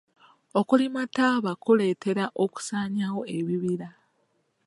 Okulima taaba kuleetera okusanyaawo ebibira.